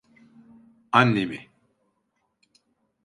Annemi.